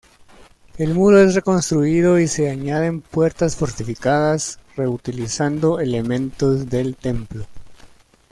El muro es reconstruido y se añaden puertas fortificadas reutilizando elementos del templo.